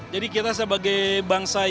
jadi kita sebagai bangsa yang